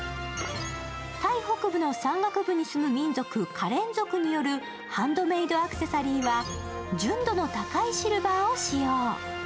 タイ北部の山岳部に住む民族、カレン族によるハンドメイドアクセサリーは、純度の高いシルバーを使用。